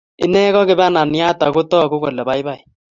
Inet ko kibananiat ,ako tagu kole baibai